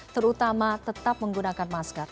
terutama tetap menggunakan masker